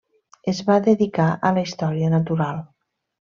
Es va dedicar a la història natural.